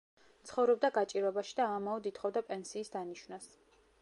ცხოვრობდა გაჭირვებაში და ამაოდ ითხოვდა პენსიის დანიშვნას.